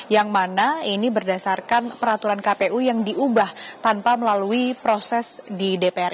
yang mana ini berdasarkan peraturan kpu yang diubah tanpa melalui proses di dpr